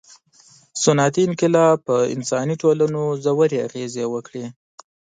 • صنعتي انقلاب پر انساني ټولنو ژورې اغېزې وکړې.